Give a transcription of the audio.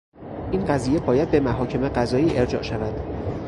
این قضیه باید به محاکم قضایی ارجاع شود.